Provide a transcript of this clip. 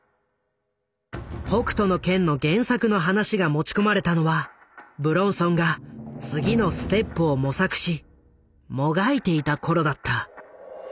「北斗の拳」の原作の話が持ち込まれたのは武論尊が次のステップを模索しもがいていた頃だった。